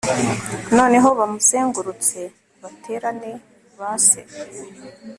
Noneho bamuzengurutse baterana ba Se